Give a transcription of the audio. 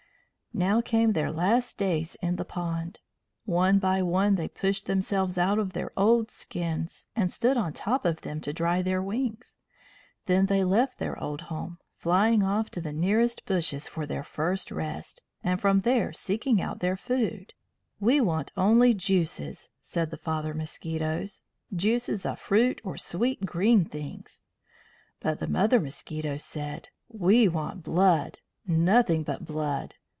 Now came their last days in the pond. One by one they pushed themselves out of their old skins, and stood on top of them to dry their wings. Then they left their old home, flying off to the nearest bushes for their first rest, and from there seeking out their food. "We want only juices," said the father mosquitoes; "juices of fruit or sweet green things." But the mother mosquitoes said: "We want blood. Nothing but blood.